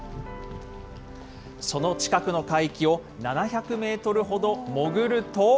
その近くの海域を７００メートルほど潜ると。